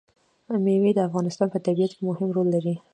مېوې د افغانستان په طبیعت کې مهم رول لري.